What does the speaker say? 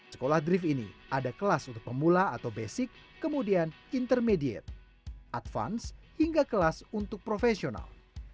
sekolah drift ini ada kelas untuk pemula atau basic kemudian intermediate advance hingga kelas untuk profesional